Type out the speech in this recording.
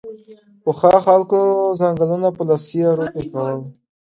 پخوا خلکو ځنګلونه په لاسي ارو پیکول